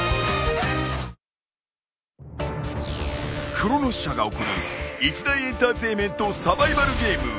［クロノス社が送る一大エンターテインメントサバイバルゲーム］